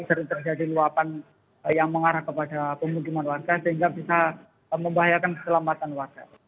sering terjadi luapan yang mengarah kepada pemukiman warga sehingga bisa membahayakan keselamatan warga